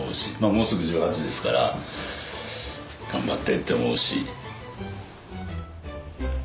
もうすぐ１８ですから頑張ってって思うし。